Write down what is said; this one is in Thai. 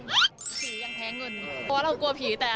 เพราะว่าเรากลัวพี่แต่